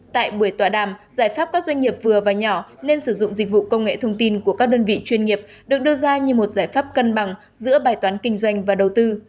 tại buổi tọa đàm giải pháp các doanh nghiệp vừa và nhỏ nên sử dụng dịch vụ công nghệ thông tin của các đơn vị chuyên nghiệp được đưa ra như một giải pháp cân bằng giữa bài toán kinh doanh và đầu tư